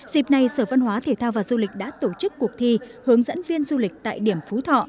dịp này sở văn hóa thể thao và du lịch đã tổ chức cuộc thi hướng dẫn viên du lịch tại điểm phú thọ